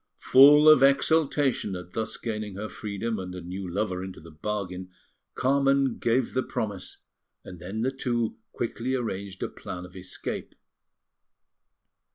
Full of exultation at thus gaining her freedom and a new lover into the bargain, Carmen gave the promise, and then the two quickly arranged a plan of escape.